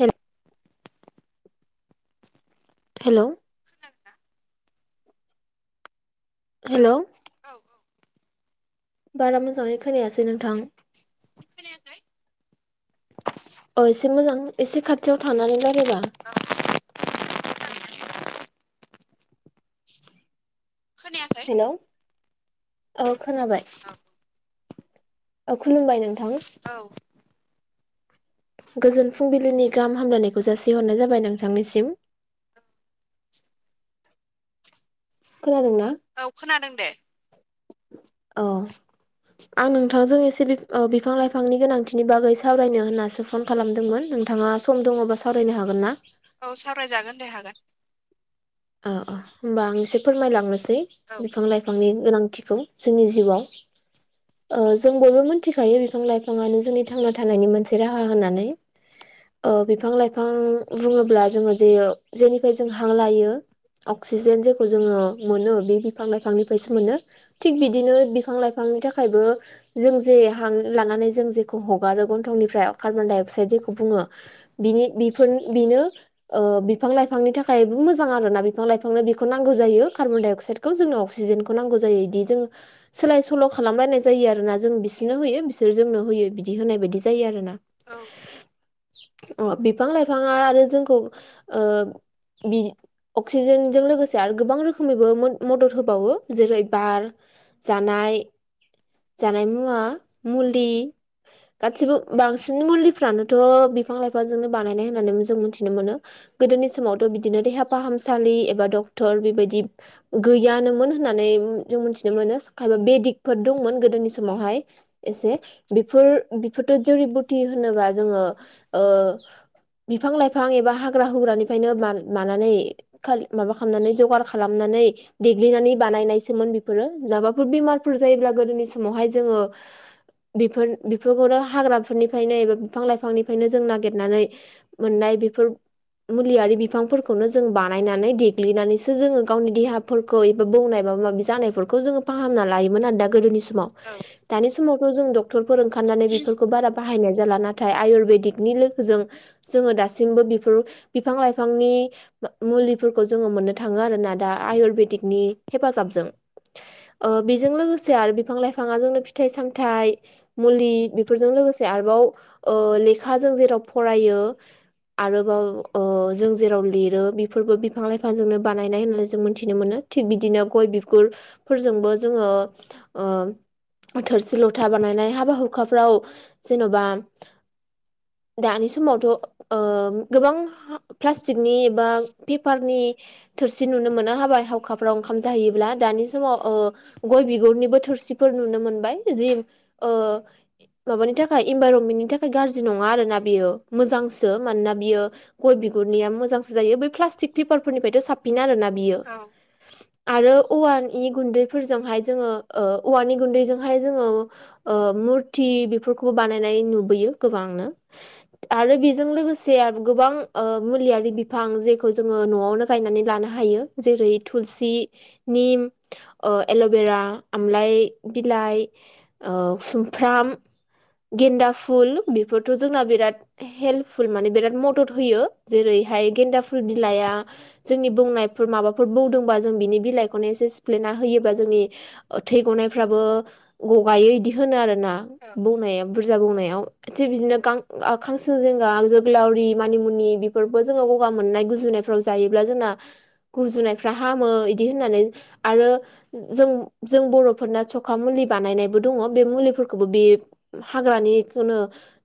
Hello हे खोनादोना? हेल औ। बारा मोजाङै खोनायासै नोंथां। खोनायाखै। अ एसे मोजां एसे खाथियाव थानानै रायलायबा। औ खोनायाखै हेल' औ खोनादों। [inaudible] ओ खुलुमबाय नोंथां। औ। गोजोन फुंबिलिनि गाहाम हामलायनायखौ जासिहरनाय जाबाय नोंथांनिसिम। खोनादों ना? औ खोनादों दे अ आं नोंथांजों एसे ओ बिफां लाइफांनि गोनांथिनि बागै सावरायनो होननासो फन खालामदोंमोन नोंथाङा सम दङबा सावरायनो हागोन ना? औ सावरायजागोन दे हागोन। औ अ होमबा आं एसे फोरमायलांनोसै औ बिफां-लाइफांनि गोनांथि जोंनि जिउआव जों बयबो मिथिखायो बिफां लाइफाङानो जोंनि थांना थानायनि मोनसे से राहा होनानै। ओ बिफां लाइफां बुङोब्ला जोङो जे जेनिफ्राय जों हां लायो। अक्सिजेन जेखौ जोङो मोनो बे बिफां लाइफांनिफ्रायसो मोनो थिग औ बिदिनो बिफां लाइफां फांनि थाखायबो जों जे हां लानानै जों जेखौ हगारो गन्थंनिफ्राय कार्बन डाइ अक्साइद जेखौ बुङो बिनि बेफोर बिनो ओ बिफां लाइफांनि थाखायबो मोजां आरोना बिफां लाइफांनो बेखौ नांगौ जायो कार्बन डाइ अक्साइडखौ जोंनो अक्सिजेनखौ नांगौ जायो बिदि जोङो सोलाय सोल' खालामलायनाय जायो आरो ना जों बिसोरनो होयो बिसोर जोंनो होयो बिदि होनाय बायदि जायो आरो ना औ अ बिफां लाइफाङा आरो जोंखौ ओ बि अक्सिजेनजों लोगोसे आरो गोबां रोखोमैबो मो मदद होबावो जेरै बार जानाय जानाय मुवा मुलि गासिबो बांसिन मुलिफ्रानोथ' बिफां लाइफांजोंनो बानायनाय होननानैबो जों मिथिनो मोनो गोदोनि समावथ बिदिनो देहा फाहामसालि एबा डक्टर बेबायदि गैयानोमोन होननानै जों मिथिनो मोनो खायबा बे दिगफोर दंमोन गोदोनि समावहाय एसे बेफोर बेफोरथ' जुरिबुथि होनोबा जोङो ओ बिफां लाइफां एबा हाग्रा हुग्रानिफ्रायनो बा बानायनाय जायो ए खालि माबा खालामनानै जगार खालामनानै देग्लिनानै बानायनायसोमोन बि बेफोरो माबाफोर बेमारफोर जायोब्ला गोदोनि समावहाय जोङो बेफोर बेफोरखौनो हाग्राफोरनिफ्रायनो एबा बिफां लाइफांनिफ्रायनो जों नागिरनानै मोननाय बेफोर मुलियारि बिफांफोरखौनो जों बानायनानै देग्लिनानैसो जोङो गावनि देहाफोरखौ एबा बौनाय बा माबा माबि जानायफोरखौ जोङो फाहामना लायोमोन दा गोदोनि समाव औ दानि समावथ जों डक्टरफोर ओंखारनानै बेफो खौ बारा बाहायनाय जाला नाथाय आयुरवेदिकनि लोगोजों जोङो दासिमबो बिफोर बिफां लाइफांनि मुलिफोरखौ जोङो मोननो थाङो आरो ना दा आयुरवेदिकनि हेफाजाबजों ओ बेजों लोगोसे आरो बिफां लाइफाङा जोंनो फिथाइ सामथाइ मुलि बेफोरजों लोगोसे आरोबाव ओ लेखाजों जेराव फरायो आरोबाव ओ जों जेराव लिरो बिफोरबो बिफां लाइफांजोंनो बानायनाय होननानै जों मोनथिनो मोनो थिग बिदिनो गय बिगुर फोरजोंबो जोङो ओ थोरसि लथा बानायनाय हाबा हुखाफ्राव जेन'बा दानि समावथ' ओ गोबां प्लास्टिकनि एबा पेपारनि थोरसि नुनो मोनो हाबाय हावखाफ्राव ओंखाम जाहैयोब्ला दानि समाव ओ गय बिगुरनिबो थोरसिफोर नुनो मोनबाय जि ओ माबानि इनभाइरनमेन्टनि थाखाय गाज्रि नङा आरो ना मोजांसो मानोना बियो गय बिगुरनिया मोजांसो जायो बे प्लास्टिक पेपार फोरनिफ्रायथ' साबसिन आरोना बियो औ आरो औवानि गुन्दैफोरजोंहाय जोङो ओ औवानि गुन्दैजोंहाय जोङो ओ मुरथि बेफोरखौबो बानायनाय नुबोयो गोबांनो आरो बेजों लोगोसे गोबां ओ मुलियारि बिफां जे खौ जोङो न'आवनो गायनानै लानो हायो जेरै थुलसि निम ओ एल'बेरा आमलाइ बिलाइ ओ सुमफ्राम गेन्दा फुल बेफोरथ' जोंना बिराद हेल्पफुल माने बिराद मदद होयो जेरैहाय गेन्दा फुल बिलाया जोंनि बौनायफोर माबाफोर बौदोंबा जों बिनि बिलाइखौनो एसे सिफ्लेना होयोबा जोंनि ओ थै गनायफ्राबो गगायो इदि होनो आरोना औ बौनायाव बुरजा बौनायाव थिग बिदिनो गां खांसं जिंगा जोग्लावरि मानिमुनि बेफोरबो जोङो गगा मोननायन गुजुनायफ्राव जायोब्ला जोंना गुजुनायफ्रा हामो इदि होननानै आरो जों जों बर'फोरना सखा मुलि बानायनायबो दङ बे मुलिफोरखौबो बे हाग्रानि खौनो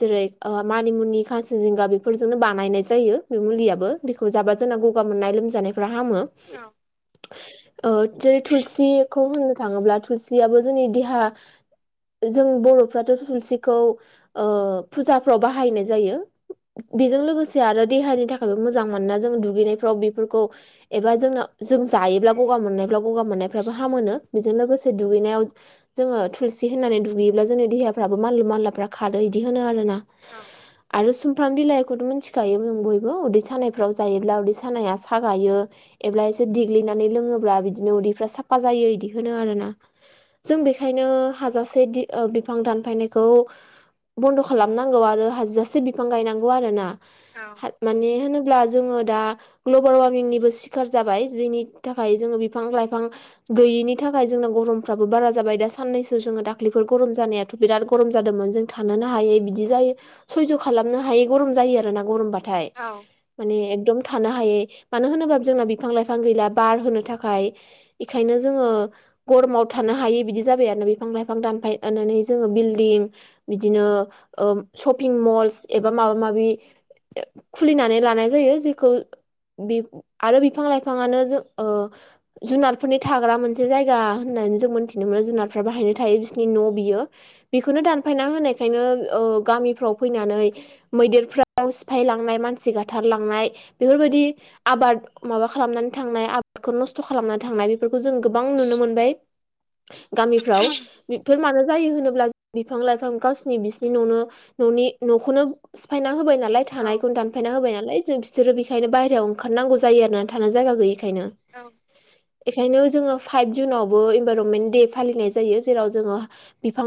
जेरै ओ मानिमुनि खानसिन जिंगा बेफोरजोंनो बानायनाय जायो बे मुलियाबो बिखौ जाबा जोंना गगा मोननाय लोमजानायफ्रा हामो औ ओ जेरै थुलसिखौ होननो थाङोब्ला थुलसियाबो जोंनि देहा जों बर'फ्राथ' थुुलसिखौ ओ फुजाफ्राव बाहायनाय जायो बेजों लोगोसे आरो देहानि थाखायबो मोजां मोनोना जों दुगैनायफ्राव बेफोरखौ एबा जोंनाव जों जायोब्ला गगा मोननायफ्रा गगा मोननायफ्राबो हामोनो बेजों लोगोसे दुगैनायाव जोङो थुलसि होना नै दुगैयोब्ला जोंनि देहाफ्राबो मानलु मानलाफ्रा खारो इदि होनो आरो ना औ आरो सुमफ्राम बिलाइखौथ' मिथिखायो जों बयबो उदै सानाय फ्राव जायोब्ला उदै सानाया सागायो एब्ला एसे देग्लिनानै लोङोब्ला बिदिनो उदैफ्रा साफा जायो इदि होनो आरो ना जों बेखायनो हाजासे दि बिफां दानफायनायखौ बन्द' खालामनांगौ आरो हाजासे बिफां गायनांगौ आरोना औ माने होनोब्ला जोङो दा ग्लबेल वार्मिंनिबो सिखार जाबाय जेयनि थाखाय जोङो बिफां लाइफां गैयिनि थाखाय जोंना गरमफ्राबो बारा जाबाय दा साननैसो जोङो दाख्लैफोर गरम जानाया बिराद गरम जादोंमोन जों थानोनो हायै बिदि जायो सयज' खालामनो हायै गरम जायो आरोना गरमबा थाय माने एकदम थानो हायै मानो होनोब्ला जोंना बिफां लाइफां गैला बार होनो थाखाय इखायनो जोङो गरमाव थानो हायि बिदि जाबाय आरो बिफां लाइफां दानफायनानै जोङो बिल्डिं बिदिनो ओ शपिं मल्स एबा माबा माबि खुलिनानै लानाय जायो जिखौ बि आरो बिफां लाइफाङानो जों ओ जुनारफोरनि थाग्रा मोनसे जायगा होननानै जों मोन्थिनो मोनो जुनारफ्रा बाहायनो थायो बिसोरनि न' बियो बेखौनो दानफायना होनायखायनो ओ गामिफ्राव फैनानै मैदेरफ्राव सिफायलांनाय मानसि गा थारलांनाय बेफोरबायदि आबाद माबा खालामनानै थांनाय आबादखौ नस्थ' खालामनानै थांनाय बे फोरखौ जों गोबां नुनो मोनबाय गामिफ्राव बेफोर मानो जायो होनोब्ला बिफां लाइफां गावसिरनि बिसिनि न'नो न'नि न'खौनो सिफायना होबाय नालाय थानायखौ दा फायना होबाय नालाय जों बिसोरो बेखायनो बाहेरायाव ओंखारनांगौ जायो थानो जायगा गैयिखायनो औ बेखायनो जोङो फाइभ जुनावबो इनभाइरनमेन्ट दे फालिनाय जायो जेराव जोङो बिफां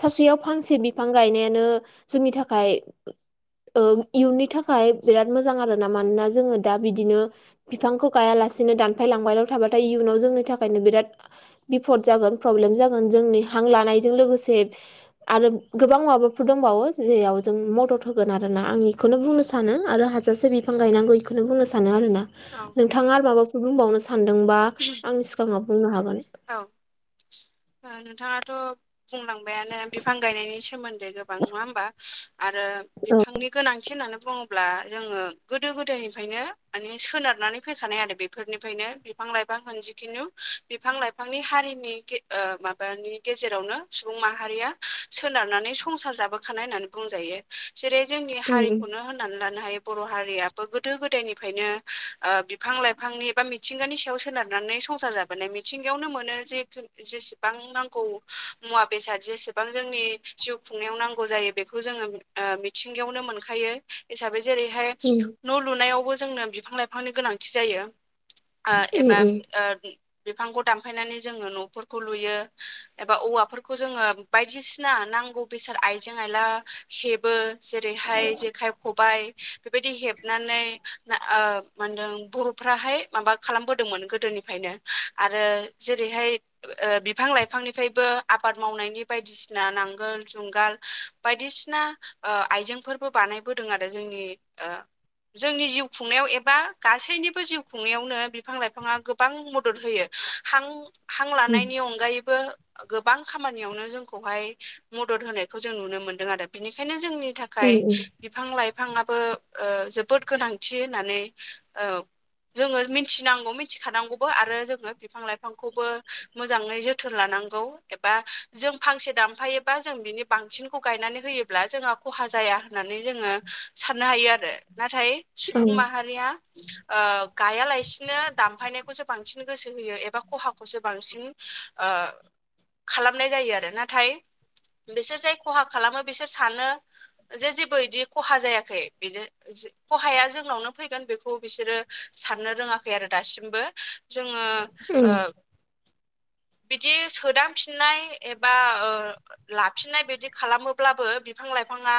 सासेयाव फांसे बिफां गायनायानो जोंनि थाखाय ओ इयुननि थाखाय बिराद मोजां आरोना मानोना जोङो दा बिदिनो बिफांखौ गायालासेनो दानफायलांबायल' थाबाथाय इयुनाव जोंनि थाखायनो बिराद बिफद जागोन फ्रब्लेम जागोन जोंनि हां लानायजों लोगोसे आरो गोबां माबाफोर दंबावो जेयाव जों मदद होगोन आरो ना आं बेखौनो बुंनो सानो आरो हाजासे बिफां गायनांगौ बेखौनो बुंनो सानो आरोना औ नोंथाङा आरो माबाफोर बुंबावनो सानदोंबा आंनि सिगाङाव बुंनो हागोन औ ओ नोंथाङाथ' बुंलां बायानो बिफां गायनायनि सोमोन्दै गोबां नङा होमबा आरो बिफांनि गोनांथि होननानै बुङोब्ला जोङो गोदो गोदायनिफ्रायनो माने सोनारनानै फैखानाय आरो बे फोरनिफ्रायनो बिफां लाइफां मोन जिखिनु बिफां लाइ लायफांनि हारिनि ओ माबानि गेजेरावनो सुबुं माहारिया सोनारनानै संसार जाबो खानाय होननानै बुंजायो जेरै जोंनि उम हारिखौनो होननानै लानो हायो बर' हारियाबो गोदो गोदायनिफ्रायनो ओ‌ बिफां लाइफांनि बा मिथिंगानि सायाव सोनारनानै संसार जाबो बोनाय मिथिं गायावनो मोनो जिहेथु जेसेबां नांगौ मुवा बेसाद जेसेबां जोंनि जिउ खुंनायाव नांगौ जायो बेखौ जोङो ओ मिथिंगायावनो मोनखायो हिसाबै जेरैहाय उम न' लुनायावबो जोंनो बिफां लाइफांनि गोनांथि जायो। ओ एबा ओ बिफांखौ दानफायनानै जोङो न'फोरखौ लुयो एबा औवाफोरखौ जोङो बायदिसिना नांगौ बेसाद आइजें आइला हेबो जेरैहाय जेखाइ खबाइ बेबायदि हेबनानै ओ मा होनदों बर'फ्राहाय माबा खालामबोदोंमोन गोदोनिफ्रायनो आरो जेरैहाय ओ बिफां लाइफांनिफ्रायबो आबाद मावनायनि बायदिसिना नांगोल जुंगाल बायदिसिना ओ आइजेंफोरबो बानायबोदों आरो जोंनि ओ जोंनि जिउ खुंनायाव एबा गासैनिबो जिउ खुंनायावनो बिफां लाइफाङा गोबां मदद होयो। हां हां उम लानायनि अनगायैबो गोबां खामानियावनो जोंखौहाय मदद होनायखौ जों नुनो मोनदों आरो बिनिखायनो जोंनि था खाय उम उम बिफां लाइफाङाबो ओ जोबोद गोनांथि होननानै ओ जोङो मिथिनांगौ मिथिखानांगौबो आरो जोङो बिफां लाइफांखौबो मोजाङै जोथोन लानांगौ एबा जों फांसे दानफायोबा जों बिनि बांसिनखौ गायनानै होयोब्ला जोंहा खहा जाया होननानै जोङो साननो हायो आरो नाथाय औ सुबुं माहारिया ओ गायालासिनो दानफायनायखौसो बांसिन गोसो होयो एबा खहाखौसो बांसिन ओ खालामनाय जायो आरो नाथाय बिसोर जाय खहा खालामो बिसोर सानो जे जेबो इदि खहा जायाखै बिदि खहाया जोंनावनो फैगोन बेखौ बिसोरो साननो रोङाखै आरो दासिमबो जोङो ओ बिदि सोदांफिननाय एबा ओ लाफिननाय बिदि खालामोब्लाबो बिफां लाइफाङा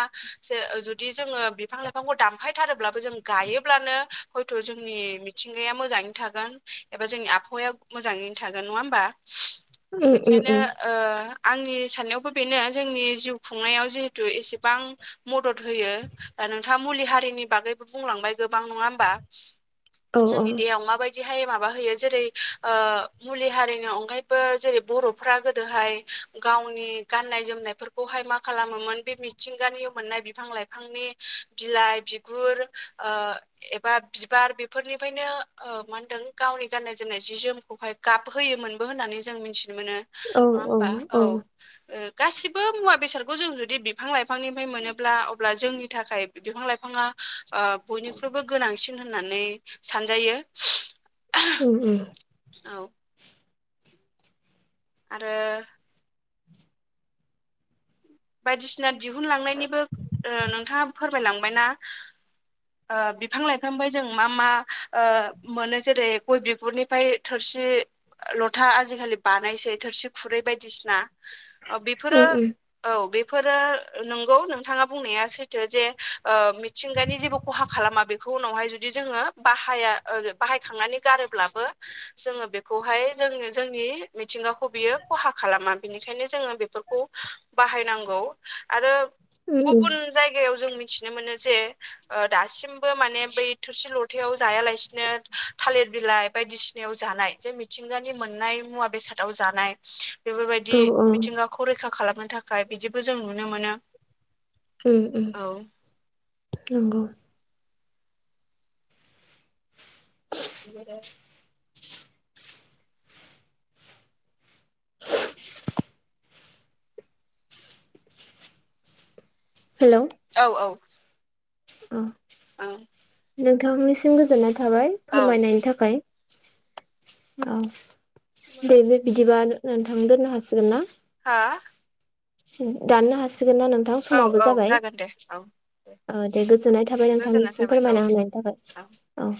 जे जुदि जोङो बिफां लाइफा फांखौ दानफायथारोब्लाबो जों गायोब्लानो हयथ' जोंनि मिथिंगाया मोजाङै थागोन। एबा जोंनि आबहावाया मोजाङैनो थागोन नङा होमबा उम उम बेखायनो उम ओ आंनि साननायावबो बेनो जोंनि जिउ खुंनायाव जिहेथु एसेबां मदद होयो। नोंथाङा मुलि हारिनि बागैबो बुंलांबाय गोबां नङा होमबा? औ जोंनि देहायाव माबायदिहाय माबा होयो जेरै ओ मुलि हारिनि अनगायैबो जेरै बर'फ्रा गोदोहाय गावनि गाननाय जोमनायफोरखौहाय मा खालामोमोन बे मिथिंगानि मोननाय बिफां लाइफां फांनि बिलाइ बिगुर ओ एबा बिबार बेफोरनिफ्रायनो ओ मा होनदों गावनि गाननाय जोमनाय जोमनाय जि जोमखौहाय गाब होयोमोनबो होननानै जों मिथिनो मोनो नङा होमबा औ। ओ गासिबो मुवा बेसादखौ जों जुदि बिफां लाइफांनिफ्राय मोनोब्ला अब्ला जोंनि थाखाय बिफां लाइफांआ ओ बयनिख्रुइबो गोनांसिन होननानै सानजायो। उम उम उम। औ आरो बायदिसिना दिहुनलांनायनिबो ओ नोंथाङा फोरमायलांबायना? ओ बिफां लाइफांनिफाय जों मा मा ओ मोनो जेरै गय बिगुरनिफाय थोरसि लथा आजिखालि बानायसै थोरसि खुरै बायदिसिना ओ बेफोरो उम औ बेफोरो नंगौ नोंथाङा बुंनाया सैथो जे ओ मिथिंगानि जेबो खहा खालामा बेखौ उनावहाय जुदि जोंओ बाहाया ओ बे बाहायखांनानै गारोब्लाबो जोङो बेखौहाय जों जोंनि मिथिंगाखौ बियो खहा खालामा बेनिखायनो जोङो बेखौ खौ बाहायनांगौ आरो उम उम गुबुन जायगायाव जों मिथिनो मोनो जे ओ दासिमबो माने बै [unintelligible] थायाव जायालासिनो थालिर बिलाइ बायदिसिनायाव जानाय जे मिथिंगानि मोननाय मुवा बेसाद। दाव जानाय। बेफोरबायदि औ औ मिथिंगाखौ रैखा खालामनो थाखाय बिदिबो जों नुनो मोनो। उम उम औ नंगौ। [unintelligible] हेलौ औ औ अ ओं नोंथांनिसिम गोजोननाय थाबाय औ फोरमायनायनि थाखाय। औ दे बे बिदिबा नोंथां दोननो हासिगोन ना? हा दाननो हासिगोन ना नोंथां? औ समाबो औ जाबाय जागोन दे औ ओ दे गोजोननाय थाबाय गोजोननाय नोंथांनिसिम थाबाय औ फोरमायना होनायनि औ थाखाय। औ